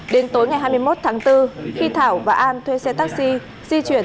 đến tối ngày hai mươi một tháng bốn khi thảo và an thuê xe taxi di chuyển